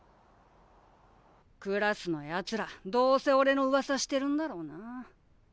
クラスのやつらどうせおれのうわさしてるんだろうな。